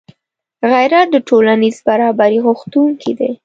غیرت د ټولنیز برابري غوښتونکی دی